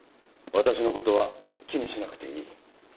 私の事は気にしなくていい。